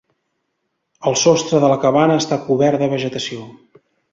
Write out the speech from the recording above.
El sostre de la cabana està cobert de vegetació.